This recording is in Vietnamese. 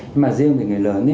nhưng mà riêng về người lớn